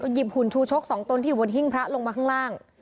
หุ่นชูชกสองตนที่อยู่บนหิ้งพระลงมาข้างล่าง